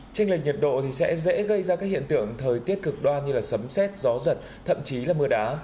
tranh lệch nhiệt độ sẽ dễ gây ra các hiện tượng thời tiết cực đoan như sấm xét gió giật thậm chí là mưa đá